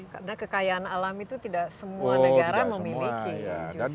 karena kekayaan alam itu tidak semua negara memiliki